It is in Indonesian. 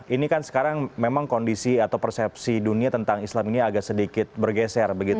ini kan sekarang memang kondisi atau persepsi dunia tentang islam ini agak sedikit bergeser